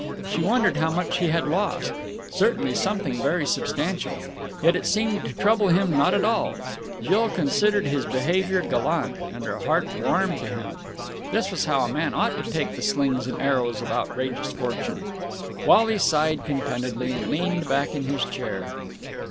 She wondered how much he had lost. Certainly something very substantial. Yet it seemed to trouble him not at all. Jill considered his behaviour gallant, and her heart warmed to him. This was how a man ought to take the slings and arrows of outrageous fortune. Wally sighed contentedly, and leaned back in his chair.